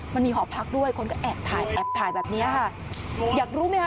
หอพักด้วยคนก็แอบถ่ายแอบถ่ายแบบเนี้ยค่ะอยากรู้ไหมคะ